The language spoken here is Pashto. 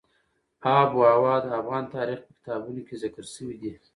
آب وهوا د افغان تاریخ په کتابونو کې ذکر شوی دي.